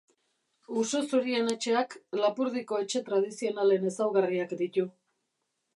Uso zurien etxeak Lapurdiko etxe tradizionalen ezaugarriak ditu.